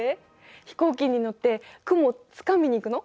飛行機に乗って雲をつかみに行くの？